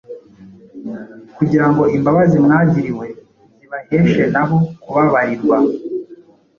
kugira ngo imbabazi mwagiriwe zibaheshe na bo kubabarirwa